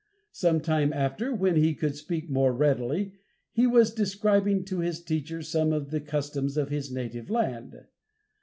Some time after, when he could speak more readily, he was describing to his teacher some of the customs of his native land.